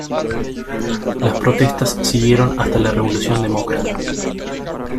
Las protestas siguieron hasta la revolución demócrata.